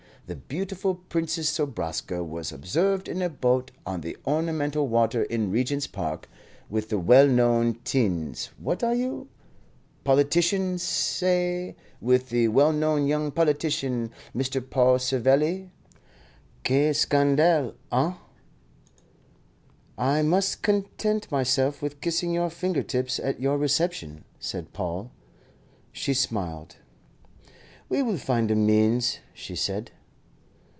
'The beautiful Princess Zobraska was observed in a boat on the ornamental water in Regent's Park with the well known tiens what are you? politician, say with the well known young politician, Mr. Paul Savelli.' Quel scandale, hein?" "I must content myself with kissing your finger tips at your reception," said Paul. She smiled. "We will find a means," she said.